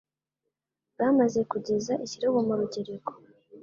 bwamaze kugeza ikirego mu rugereko